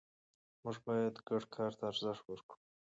موږ باید ګډ کار ته ارزښت ورکړو